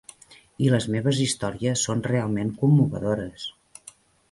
I les meves històries són realment commovedores.